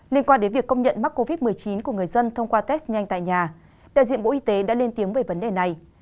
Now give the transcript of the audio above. liên quan đến việc công nhận mắc covid một mươi chín của người dân thông qua test nhanh tại nhà đại diện bộ y tế đã lên tiếng về vấn đề này